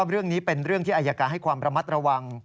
เรื่องนี้เป็นเรื่องที่อายการให้ความระมัดระวัง